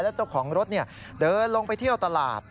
แล้วเจ้าของรถเดินลงไปเที่ยวตลาด